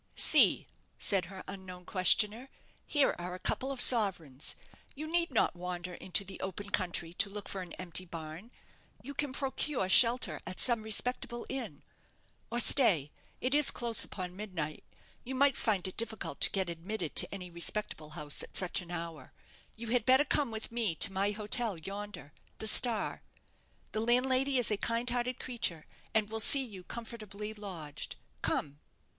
"See," said her unknown questioner, "here are a couple of sovereigns. You need not wander into the open country to look for an empty barn. You can procure shelter at some respectable inn. Or stay, it is close upon midnight: you might find it difficult to get admitted to any respectable house at such an hour. You had better come with me to my hotel yonder, the 'Star' the landlady is a kind hearted creature, and will see you comfortably lodged. Come!"